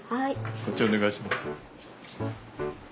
こっちお願いします。